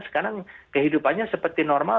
sekarang kehidupannya seperti normal